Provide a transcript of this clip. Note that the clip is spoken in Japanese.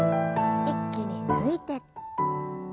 一気に抜いて。